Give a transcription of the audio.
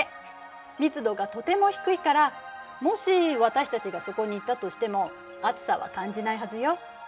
密度がとても低いからもし私たちがそこに行ったとしても暑さは感じないはずよ。